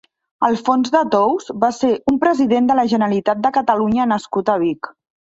Alfons de Tous va ser un president de la Generalitat de Catalunya nascut a Vic.